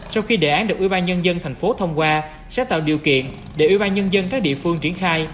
sau khi đề án được ubnd thành phố thông qua sẽ tạo điều kiện để ubnd các địa phương triển khai